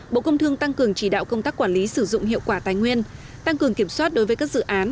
bộ công thương tăng cường chỉ đạo công tác quản lý sử dụng hiệu quả tài nguyên tăng cường kiểm soát đối với các dự án